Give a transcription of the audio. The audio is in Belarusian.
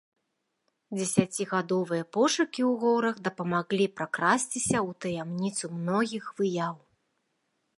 Дзесяцігадовыя пошукі ў горах дапамаглі пракрасціся ў таямніцу многіх выяў.